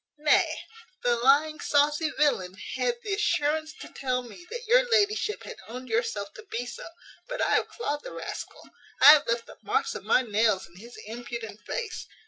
Nay, the lying, saucy villain had the assurance to tell me that your ladyship had owned yourself to be so; but I have clawed the rascal; I have left the marks of my nails in his impudent face.